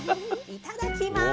いただきます。